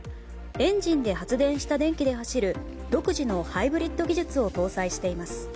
エンジンで発電した電気で走る独自のハイブリッド技術を搭載しています。